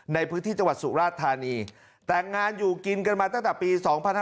ในพื้นที่จังหวัดสุราชธานีแต่งงานอยู่กินกันมาตั้งแต่ปี๒๕๕๙